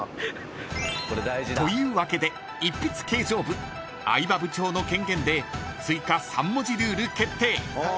［というわけで一筆啓上部相葉部長の権限で追加３文字ルール決定］